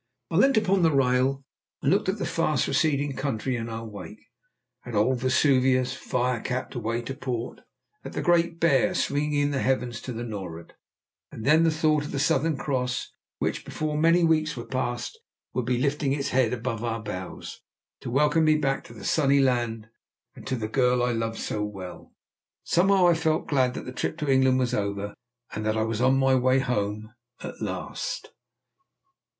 I leant upon the rail, looked at the fast receding country in our wake, at old Vesuvius, fire capped, away to port, at the Great Bear swinging in the heavens to the nor'ard, and then thought of the Southern Cross which, before many weeks were passed, would be lifting its head above our bows to welcome me back to the sunny land and to the girl I loved so well. Somehow I felt glad that the trip to England was over, and that I was on my way home at last.